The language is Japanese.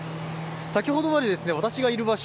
先ほどまで私がいる場所